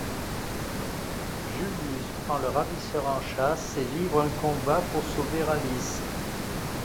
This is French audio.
Julius prend le ravisseur en chasse et livre un combat pour sauver Alice.